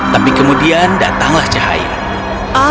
tapi kemudian datanglah cahaya